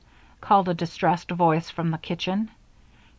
called a distressed voice from the kitchen.